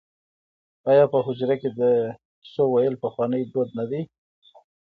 آیا په حجره کې د کیسو ویل پخوانی دود نه دی؟